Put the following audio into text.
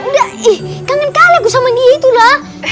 udah ih kangen kali aku sama dia itulah